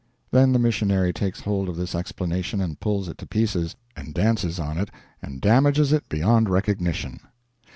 Then the missionary takes hold of this explanation and pulls it to pieces, and dances on it, and damages it beyond recognition.